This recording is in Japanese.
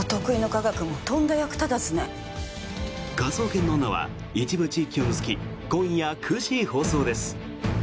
「科捜研の女」は一部地域を除き今夜９時放送です。